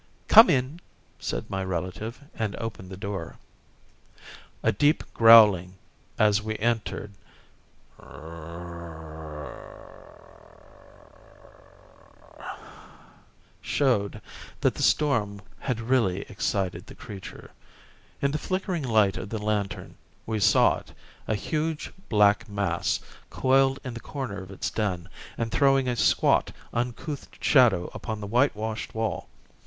"Come in!" said my relative, and opened the door. A deep growling as we entered showed that the storm had really excited the creature. In the flickering light of the lantern, we saw it, a huge black mass coiled in the corner of its den and throwing a squat, uncouth shadow upon the whitewashed wall.